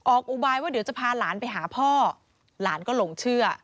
อุบายว่าเดี๋ยวจะพาหลานไปหาพ่อหลานก็หลงเชื่อ